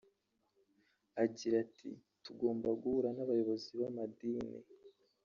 Agira ati “Tugomba guhura n’abayobozi b’amadini